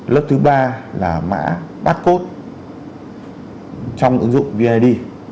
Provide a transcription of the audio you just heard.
lớp thứ ba là mã barcode trong ứng dụng vnad